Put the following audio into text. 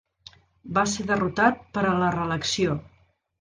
Va ser derrotat per a la reelecció.